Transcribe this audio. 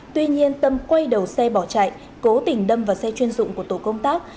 tuy nhiên tâm quay đầu xe bỏ chạy cố tình đâm vào xe chuyên dụng của tổ công tác